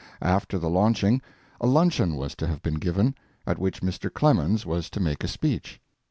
After the launching a luncheon was to have been given, at which Mr. Clemens was to make a speech.